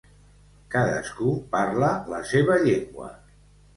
Cadascú parla la seva llengua.